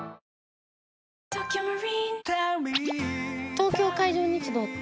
東京海上日動って？